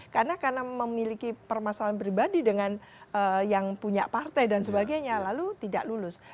karena memiliki permasalahan pribadi dengan yang punya partai dan sebagainya lalu tidak lulus